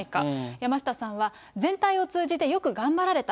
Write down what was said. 山下さんは、全体を通じてよく頑張られた。